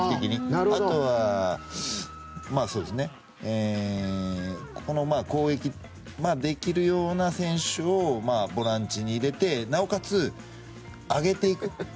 あとはここに攻撃できるような選手をボランチに入れてなおかつ、上げていく。